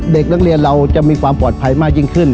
เด็กนักเรียนเราจะมีความปลอดภัยมากยิ่งขึ้น